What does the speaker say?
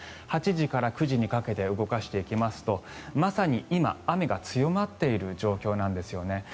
８時から９時にかけて動かしていきますとまさに今、雨が強まっている状況なんですよね。